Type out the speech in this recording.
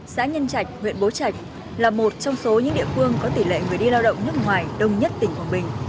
xã nhân trạch huyện bố trạch là một trong số những địa phương có tỷ lệ người đi lao động nước ngoài đông nhất tỉnh quảng bình